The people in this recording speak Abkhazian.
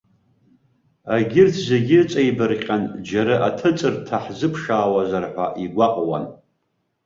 Егьырҭ зегь ыҵеибарҟьан, џьара аҭыҵырҭа ҳзыԥшаауазар ҳәа игәаҟуан.